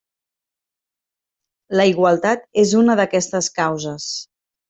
La igualtat és una d'aquestes causes.